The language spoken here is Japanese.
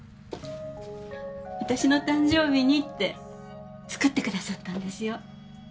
私の誕生日にって作ってくださったんですよ。